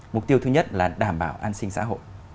mục tiêu thứ nhất là đảm bảo an sinh xã hội